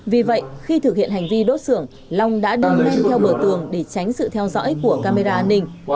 vì vậy khi thực hiện hành vi đốt xưởng long đã đâm ngang theo bờ tường để tránh sự theo dõi của camera an ninh